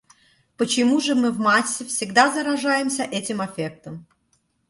Почему же мы в массе всегда заражаемся этим аффектом?